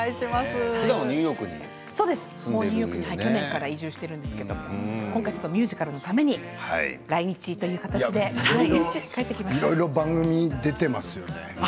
ニューヨークに去年から移住しているんですけど今回、ミュージカルのために来日いろいろ番組出てますよね。